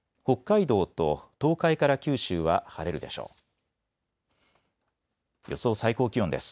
北海道と東海から九州は晴れるでしょう。